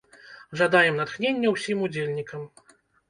Жадаем натхнення ўсім удзельнікам!